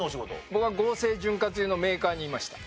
僕は合成潤滑油のメーカーにいました。